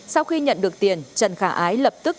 sau khi nhận được tiền trần khả ái lập tức